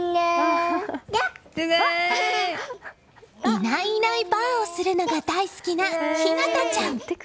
いないいないばあをするのが大好きな日凪多ちゃん。